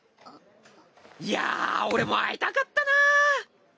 いや俺も会いたかったなぁ！